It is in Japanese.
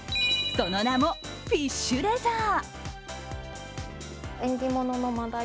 その名もフィッシュレザー。